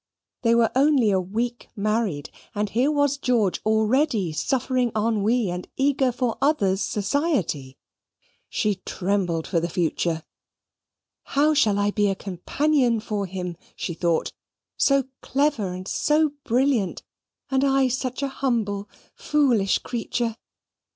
They were only a week married, and here was George already suffering ennui, and eager for others' society! She trembled for the future. How shall I be a companion for him, she thought so clever and so brilliant, and I such a humble foolish creature?